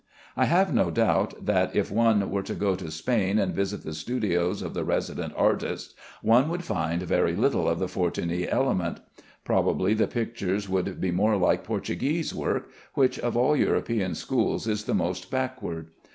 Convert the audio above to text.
I have no doubt that if one were to go to Spain and visit the studios of the resident artists, one would find very little of the Fortuny element. Probably the pictures would be more like Portuguese work, which of all European schools is the most backward.